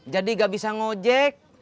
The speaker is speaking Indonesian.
jadi gak bisa ngojek